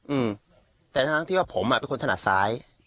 อืมแต่ทั้งที่ว่าผมอ่ะเป็นคนถนัดซ้าย